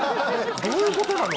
どういうことなの？